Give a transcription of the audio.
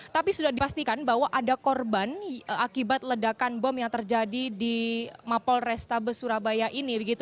tapi sudah dipastikan bahwa ada korban akibat ledakan bom yang terjadi di mapol restabes surabaya ini